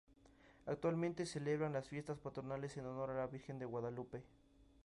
Actualmente celebran las fiestas patronales en honor a la virgen de Guadalupe.